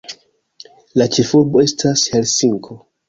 La ĉefurbo estas Helsinko.